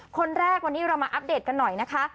คนแรกวันนี้เรามาอัปเดตกันหน่อยนะคะ